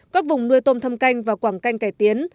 các vùng nuôi tôm thâm canh và quảng canh cải tiến